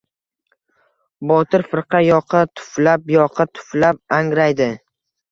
Botir firqa yoqa tuflab-yoqa tuflab, angraydi.